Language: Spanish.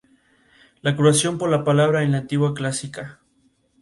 La curación por la palabra en la Antigüedad clásica.